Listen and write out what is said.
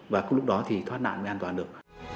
và có lúc đó thì thoát nạn mới an toàn được